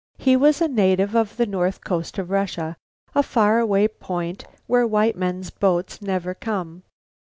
He was a native of the north coast of Russia; a far away point where white men's boats never come.